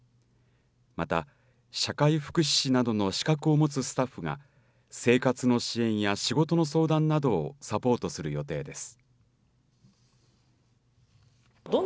また、社会福祉士などの資格を持つスタッフが生活の支援や仕事の相談などをサポートする予定です。